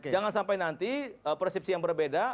jangan sampai nanti persepsi yang berbeda